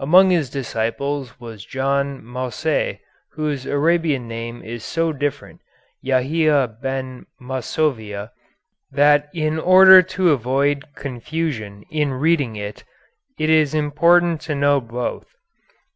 Among his disciples was John Masuée, whose Arabian name is so different, Yahia Ben Masoviah, that in order to avoid confusion in reading it is important to know both.